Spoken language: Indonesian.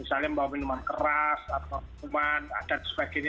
misalnya bawa minuman keras atau kuman ada sebagainya